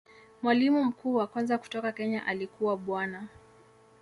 Mwalimu mkuu wa kwanza kutoka Kenya alikuwa Bwana.